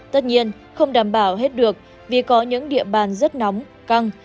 tất nhiên không đảm bảo hết được vì có những địa bàn rất nóng căng